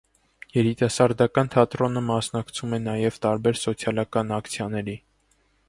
Երիտասարդական թատրոնը մասնակցում է նաև տարբեր սոցիալական ակցիաների։